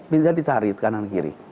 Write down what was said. bisa dicari kanan kiri